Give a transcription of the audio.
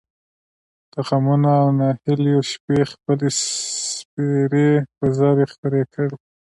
د غمـونـو او نهـيليو شـپې خپـلې سپـېرې وزرې خـورې کـړې.